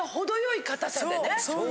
そう！